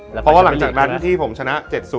เพราะว่าหลังจากนั้นที่ผมชนะ๗๐